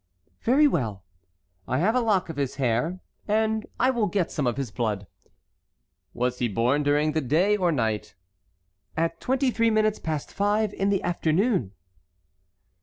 "Very well; I have a lock of his hair and will get some of his blood." "Was he born during the day or night?" "At twenty three minutes past five in the afternoon."